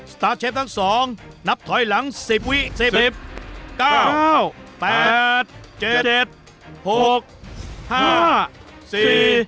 สตาร์ทเชฟทั้งสองนับถอยหลัง๑๐วิ